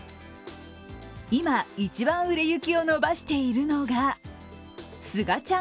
今、一番売れ行きを伸ばしているのがスガちゃん